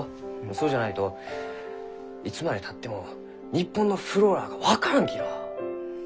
そうじゃないといつまでたっても日本のｆｌｏｒａが分からんきのう。